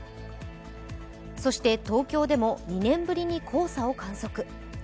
そして東京でも２年ぶりに黄砂を観測。